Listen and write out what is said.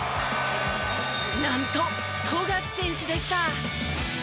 なんと富樫選手でした。